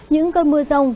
những cơn mưa rông